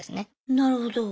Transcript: なるほど。